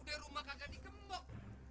udah rumah kagak dikemuk